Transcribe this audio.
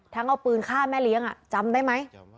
เอาปืนฆ่าแม่เลี้ยงจำได้ไหม